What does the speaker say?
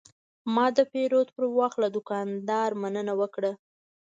ما د پیرود پر وخت له دوکاندار مننه وکړه.